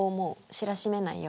知らしめない。